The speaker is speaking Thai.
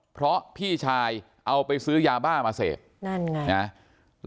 เพราะพี่ชายเอาไปซื้อยาบ้ามาเสพนั่นไงนะ